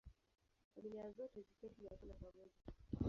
Familia zote ziketi na kula pamoja